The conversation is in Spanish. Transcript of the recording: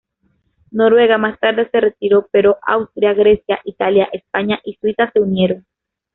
Noruega más tarde se retiró, pero Austria, Grecia, Italia, España y Suiza se unieron.